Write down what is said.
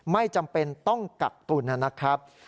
ไม่จำเป็นต้องกักตุลนะครับ